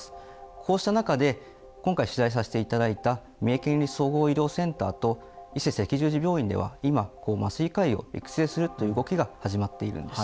こうした中で今回取材させて頂いた三重県立総合医療センターと伊勢赤十字病院では今麻酔科医を育成するという動きが始まっているんです。